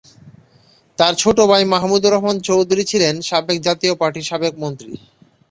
তার ছোট ভাই মাহমুদুর রহমান চৌধুরী ছিলেন সাবেক জাতীয় পার্টির সাবেক মন্ত্রী।